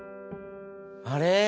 あれ？